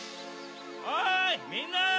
おいみんな！